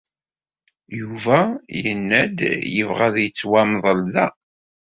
Yuba yenna-d yebɣa ad yettwamḍel da.